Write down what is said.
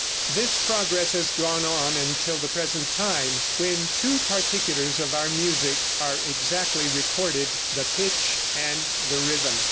This progress has gone on until the present time, when two particulars of our music are exactly recorded the pitch and the rhythm.